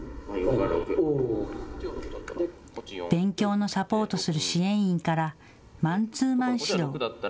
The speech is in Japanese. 勉強のサポートする支援員からマンツーマン指導。